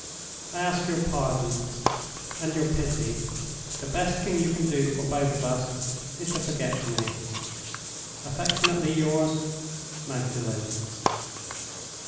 I ask your pardon and your pity. The best thing you can do for both of us is to forget me. Affectionately yours, "MAGDALEN."